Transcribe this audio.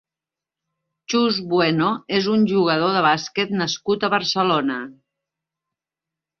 Chus Bueno és un jugador de bàsquet nascut a Barcelona.